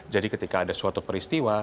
jadi ketika ada suatu peristiwa